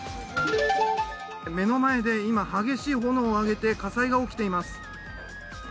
目の前で今、激しい炎を上げて今、火災が起きています。